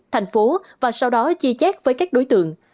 thành phố và sau đó chia chép với các đối tượng